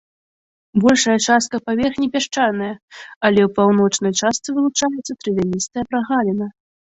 Большая частка паверхні пясчаная, але ў паўночнай частцы вылучаецца травяністая прагаліна.